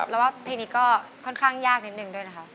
แล้วว่าเพลงนี้ก็ค่อนข้างยากนิดนึงด้วยนะคะ